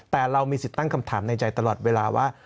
แต่เรามีสิทธิ์ตั้งคำถามในใจตลอดเวลาว่า